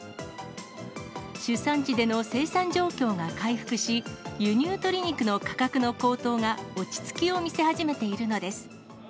主産地での生産状況が回復し、輸入鶏肉の価格の高騰が落ち着きを見せ始めているのです。